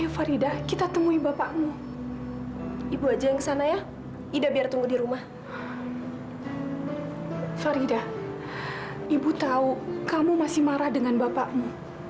farida ibu tahu kamu masih marah dengan bapakmu